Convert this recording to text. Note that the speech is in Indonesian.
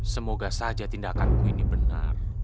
semoga saja tindakanku ini benar